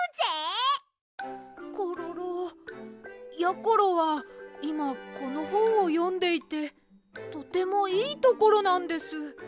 コロロやころはいまこのほんをよんでいてとてもいいところなんです。